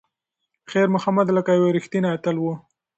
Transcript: خیر محمد لکه یو ریښتینی اتل و.